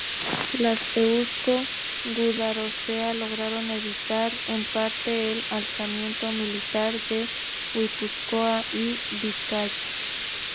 Las Eusko Gudarostea lograron evitar en parte el alzamiento militar en Guipúzcoa y Vizcaya.